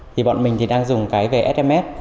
thì bọn mình thì đang dùng cái về sms